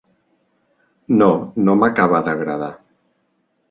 No, no m'acaba d'agradar.